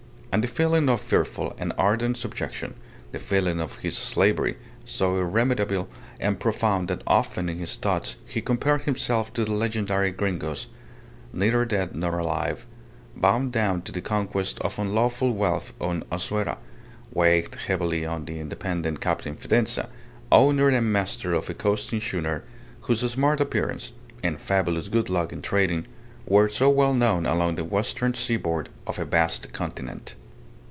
And the feeling of fearful and ardent subjection, the feeling of his slavery so irremediable and profound that often, in his thoughts, he compared himself to the legendary Gringos, neither dead nor alive, bound down to their conquest of unlawful wealth on Azuera weighed heavily on the independent Captain Fidanza, owner and master of a coasting schooner, whose smart appearance (and fabulous good luck in trading) were so well known along the western seaboard of a vast continent.